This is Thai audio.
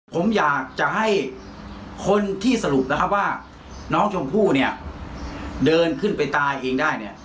ผมอยากจะให้คนที่สรุปนะครับว่าน้องชมพู่เนี่ยเดินขึ้นไปตายเองได้เนี่ย